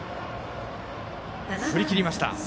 振り切りました。